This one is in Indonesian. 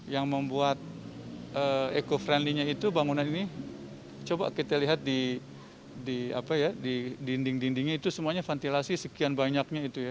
yang membuat eco friendly nya itu bangunan ini coba kita lihat di dinding dindingnya itu semuanya ventilasi sekian banyaknya itu ya